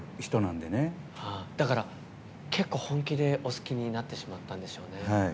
だから、結構本気で好きになってしまったんでしょうね。